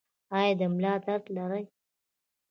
ایا د ملا درد لرئ؟